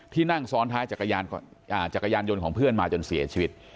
นั่งซ้อนท้ายจักรยานยนต์ของเพื่อนมาจนเสียชีวิต